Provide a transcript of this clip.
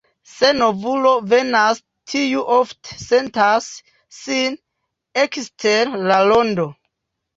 Se novulo venas, tiu ofte sentas sin ekster la rondo.